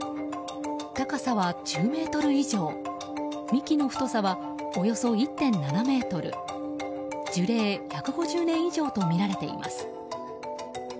高さは１０ｍ以上幹の太さはおよそ１．７ｍ樹齢１５０年以上とみられています。